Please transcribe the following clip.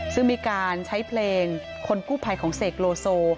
ซึ่งมีการใช้เพลงคนกู้ภัยของเสกโลโซ